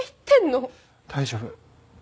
大丈夫。